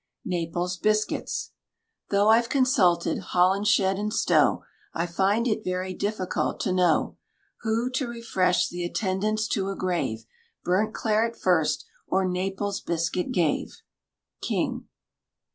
NAPLES BISCUITS. Though I've consulted Holinshed and Stow, I find it very difficult to know Who, to refresh the attendants to a grave, Burnt claret first or Naples biscuit gave. KING.